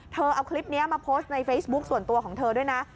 เอาคลิปนี้มาโพสต์ในเฟซบุ๊คส่วนตัวของเธอด้วยนะ